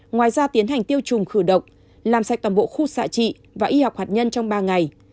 ngoài ra tiến hành tiêu trùng khử độc làm sạch toàn bộ khu xạ trị và y học hạt nhân trong ba ngày